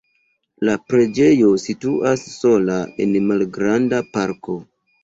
La preĝejo situas sola en malgranda parko.